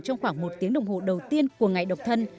trong khoảng một tiếng đồng hồ đầu tiên của ngày độc thân